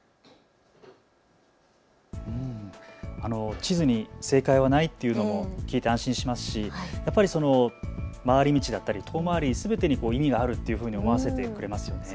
地図に正解はないというのを聞いて安心しますしやっぱり回り道だったり遠回り、すべてに意味があるというふうに思わせてくれますよね。